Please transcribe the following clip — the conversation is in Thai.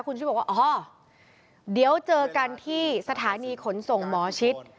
คุณชิตบอกว่าอ๋อเดี๋ยวเจอกันที่สถานีขนส่งหมอชิด